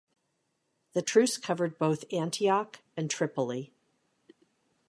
The truce covered both Antioch and Tripoli.